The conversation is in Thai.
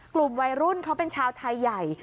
กลุ่มวัยรุ่นเขาเป็นชาวไทยใหญ่